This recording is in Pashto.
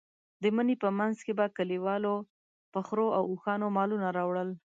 د مني په منځ کې به کلیوالو په خرو او اوښانو مالونه راوړل.